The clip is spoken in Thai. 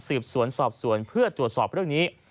สืบสวนสอบสวนเพื่อตรวจสอบเรื่องนี้